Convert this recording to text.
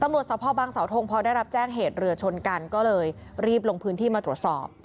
ตำรวจสภบางสาวทงพอได้รับแจ้งเหตุเรือชนกันก็เลยรีบลงพื้นที่มาตรวจสอบ